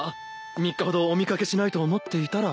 ３日ほどお見掛けしないと思っていたら。